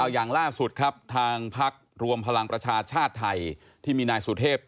อย่างล่าสุดครับทางภาครวมพลังประชาชาติไทย